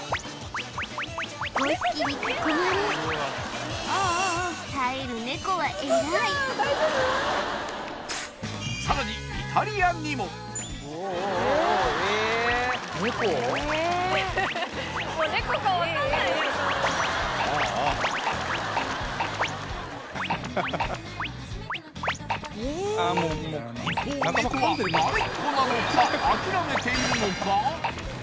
５匹に囲まれさらにイタリアにも一方ネコは慣れっこなのか諦めているのか？